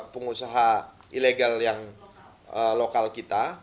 pengusaha ilegal yang lokal kita